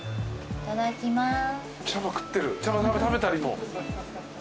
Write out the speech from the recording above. いただきます。